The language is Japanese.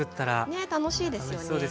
ねえ楽しいですよね。